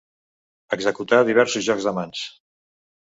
Executar diversos jocs de mans.